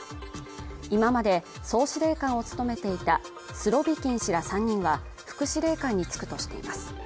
今まで総司令官を務めていたスロビキン氏ら３人は副司令官に就くとしています